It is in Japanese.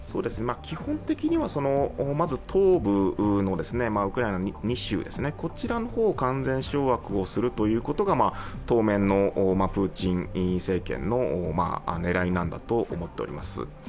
基本的にはまず東部のウクライナの２州を完全掌握することが当面のプーチン政権の狙いだと思っています。